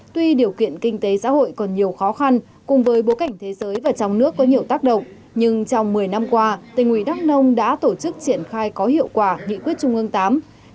tuy điều kiện kinh tế xã hội còn nhiều khó khăn cùng với bối cảnh thế giới và trong nước có nhiều tác động nhưng trong một mươi năm qua tỉnh ủy đắk nông đã tổ chức triển khai có hiệu quả nghị quyết trung ương viii